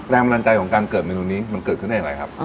แรงบันดาลใจของการเกิดเมนูนี้มันเกิดขึ้นได้อย่างไรครับ